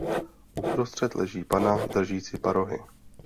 Uprostřed leží panna držící parohy.